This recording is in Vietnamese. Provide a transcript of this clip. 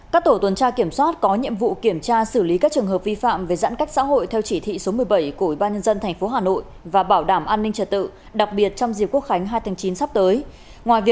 các tổ tuần tra kiểm soát có nhiệm vụ kiểm tra xử lý các trường hợp vi phạm về giãn cách xã hội theo chỉ thị số một mươi bảy của ủy ban nhân dân tp hà nội và bảo đảm an ninh trật tự đặc biệt trong dịp quốc khánh hai tháng chín sắp tới